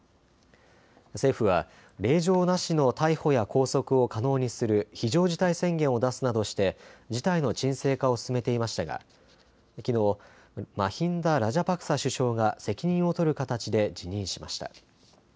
政府は令状なしの逮捕や拘束を可能にする非常事態宣言を出すなどして事態の沈静化を進めていましたが、きのうマヒンダ・ラジャパクサ首相が責任を取る形で辞任しました。